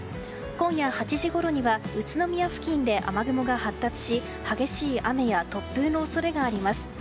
今夜８時ごろには宇都宮付近で雨雲が発達し激しい雨や突風の恐れがあります。